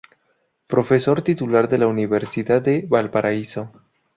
Profesor Titular de la Universidad de Valparaíso.